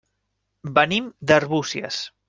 Venim d'Arbúcies.